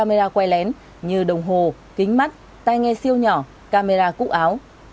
camera quay lén như đồng hồ kính mắt tay nghe siêu nhỏ camera cúc áo